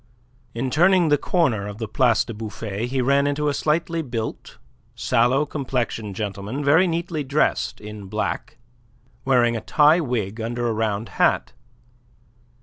In turning the corner of the Place du Bouffay he ran into a slightly built, sallow complexioned gentleman very neatly dressed in black, wearing a tie wig under a round hat.